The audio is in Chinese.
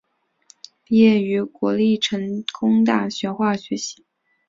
毕业于国立成功大学化学系。